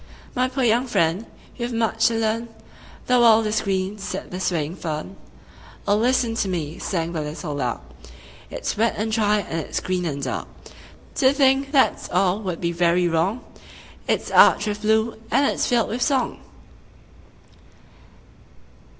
"My poor young friend, you have much to learn: The world is green," said the swaying fern. "O listen to me," sang the little lark: "It's wet and dry, and it's green and dark. To think that's all would be very wrong; It's arched with blue, and it's filled with song."